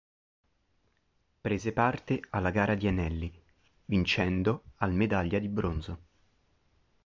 Prese parte alla gara di anelli, vincendo al medaglia di bronzo.